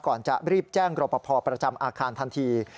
ก่อนจะรีบแจ้งรปภประจำอาคารทันที